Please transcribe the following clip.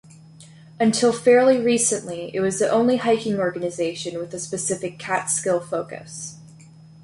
Until fairly recently it was the only hiking organization with a specific Catskill focus.